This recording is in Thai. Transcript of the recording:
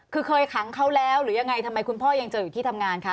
คือเคยขังเขาแล้วหรือยังไงทำไมคุณพ่อยังเจออยู่ที่ทำงานคะ